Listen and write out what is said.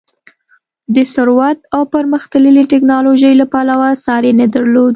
د ثروت او پرمختللې ټکنالوژۍ له پلوه ساری نه درلود.